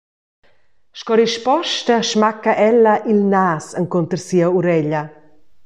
Sco risposta smacca ella il nas encunter sia ureglia.